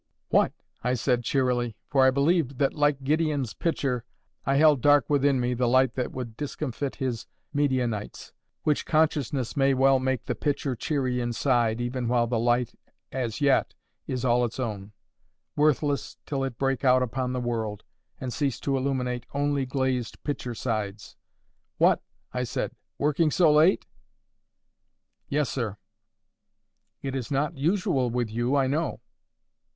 "What!" I said, cheerily,—for I believed that, like Gideon's pitcher, I held dark within me the light that would discomfit his Midianites, which consciousness may well make the pitcher cheery inside, even while the light as yet is all its own—worthless, till it break out upon the world, and cease to illuminate only glazed pitcher sides—"What!" I said, "working so late?" "Yes, sir." "It is not usual with you, I know."